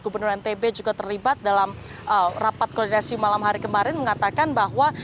gubernur ntb juga terlibat dalam rapat koordinasi malam hari kemarin mengatakan bahwa